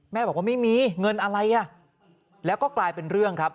บอกว่าไม่มีเงินอะไรอ่ะแล้วก็กลายเป็นเรื่องครับ